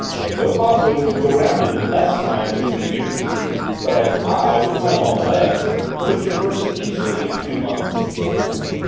No Potuan could go round it in less time than two years, whereas, I, with my long legs, could traverse it easily in two months.